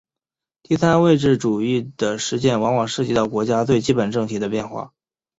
第三位置主义的实践往往涉及到国家最基本政体的变化。